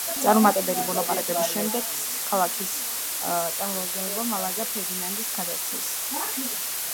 წარუმატებელი მოლაპარაკებების შემდეგ ქალაქის წარმომადგენლებმა მალაგა ფერდინანდს გადასცეს.